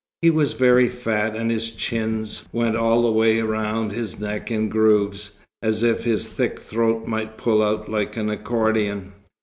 He was very fat, and his chins went all the way round his neck in grooves, as if his thick throat might pull out like an accordion.